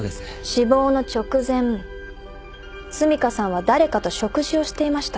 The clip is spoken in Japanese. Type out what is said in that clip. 死亡の直前澄香さんは誰かと食事をしていました。